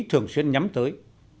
thường xuyên nhắm tới